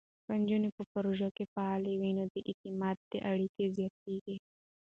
که نجونې په پروژو کې فعاله وي، نو د اعتماد اړیکې زیاتېږي.